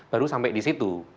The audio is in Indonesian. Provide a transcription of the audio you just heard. baru sampai disitu